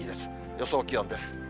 予想気温です。